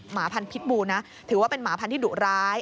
หมาพันธุ์พิษบูลถือว่าเป็นหมาพันธุ์ที่ดุร้าย